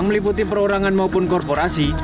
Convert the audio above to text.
dan mencari putih perorangan maupun korporasi